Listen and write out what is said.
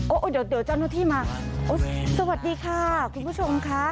โอ้ยโอ้ยเดี๋ยวเดี๋ยวเจ้านที่มาโอ้ยสวัสดีค่ะคุณผู้ชมค่ะ